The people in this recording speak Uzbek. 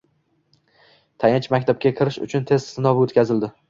Tayanch-maktabga kirish uchun test sinovi o‘tkazildi